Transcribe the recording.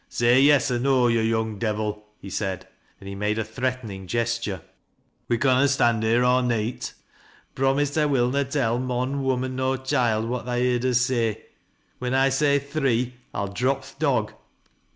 " Say yea or no, yo' young devil," he said, and he made a threatening gesture. " We conna stand here aw neet. Promise ta will na tell mon, woman, nor choild, what tha heerd us say. When I say 'three,' I'll drop th' dog.